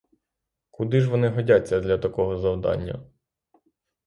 Куди ж вони годяться для такого завдання?